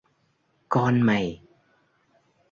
Con mày